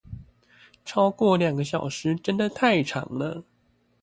超過兩個小時真的太長了